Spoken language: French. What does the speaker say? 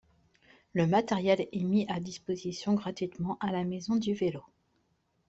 Le matériel est mis à disposition gratuitement à la Maison du vélo.